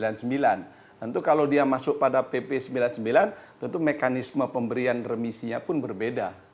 tentu kalau dia masuk pada pp sembilan puluh sembilan tentu mekanisme pemberian remisinya pun berbeda